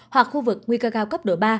hoặc khu vực nguy cơ cao cấp độ ba